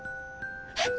えっ！？